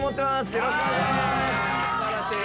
よろしくお願いします